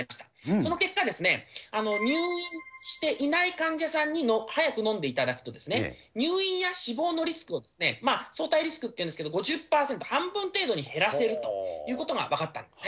その結果、入院していない患者さんに早く飲んでいただくと、入院や死亡のリスクを、相対リスクっていうんですけど、５０％、半分程度に減らせるということが分かったんですね。